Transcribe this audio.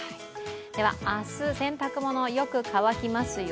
明日、洗濯物よく乾きますよ。